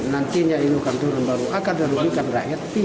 nantinya ini akan turun baru akan dirugikan rakyat